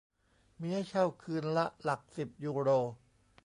มีให้เช่าคืนละ "หลักสิบยูโร"